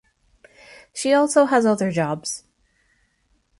She also has other jobs.